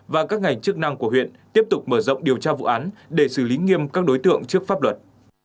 và các ngành chức năng của huyện tiếp tục mở rộng điều tra vụ án để xử lý nghiêm các đối tượng trước pháp luật